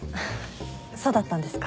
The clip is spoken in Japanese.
そうだったんですか。